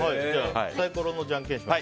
サイコロのじゃんけんします。